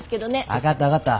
分かった分かった。